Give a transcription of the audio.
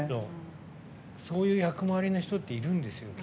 そういう役回りの人っているんですよ。